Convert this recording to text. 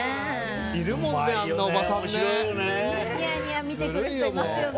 いるもんね、あんなおばさんね。